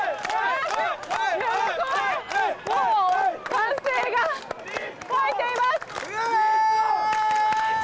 歓声が聞こえています！